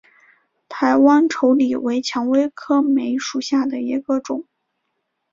台湾稠李为蔷薇科梅属下的一个种。